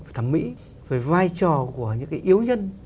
thẩm mỹ rồi vai trò của những cái yếu nhân